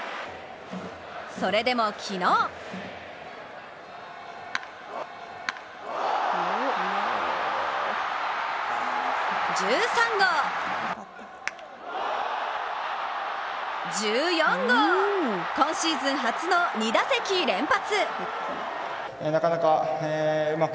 それでも昨日１３号、１４号今シーズン初の２打席連発。